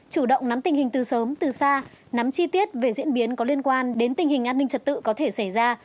chủ động nắm tình hình từ sớm từ xa nắm chi tiết về diễn biến có liên quan đến tình hình an ninh trật tự có thể xảy ra